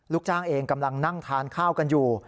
จ้างเองกำลังนั่งทานข้าวกันอยู่